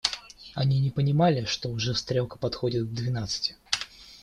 Они не понимали, что уже стрелка подходит к двенадцати.